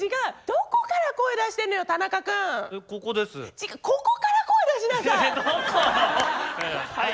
違うここから声出しなさい！